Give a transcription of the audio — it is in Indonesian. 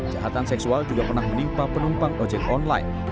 kejahatan seksual juga pernah menimpa penumpang ojek online